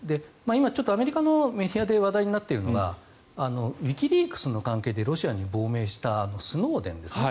今、アメリカのメディアで話題になっているのがウィキリークスの関係でロシアに亡命したスノーデンですね。